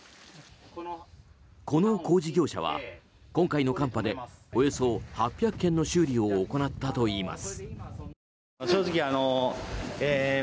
この工事業者は、今回の寒波でおよそ８００件の修理を行ったといいます。